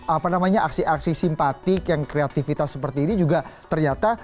apa namanya aksi aksi simpatik yang kreativitas seperti ini juga ternyata